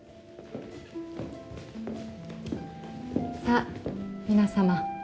さあ皆様。